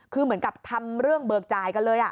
คือเหมือนกับทำเรื่องเบิกจ่ายกันเลย